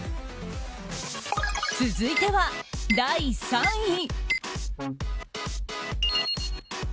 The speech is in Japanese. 続いては第３位。